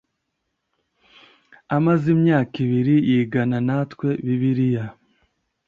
amaze imyaka ibiri yigana natwe bibiliya